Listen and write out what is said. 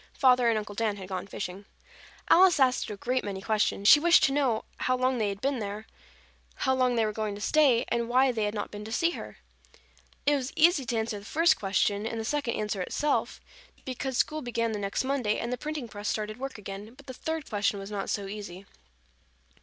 Father and Uncle Dan had gone fishing. Alice asked a great many questions. She wished to know how long they had been there, how long they were going to stay, and why they had not been to see her. It was easy to answer the first question and the second answered itself, because school began the next Monday and the printing press started work again, but the third question was not so easy.